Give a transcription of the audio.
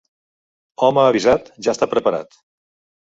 Home avisat ja està preparat.